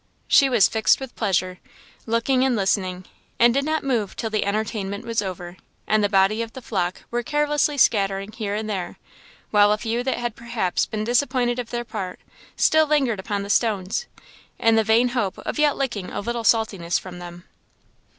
She was fixed with pleasure, looking and listening, and did not move till the entertainment was over, and the body of the flock were carelessly scattering here and there, while a few that had perhaps been disappointed of their part, still lingered upon the stones, in the vain hope of yet licking a little saltness from them.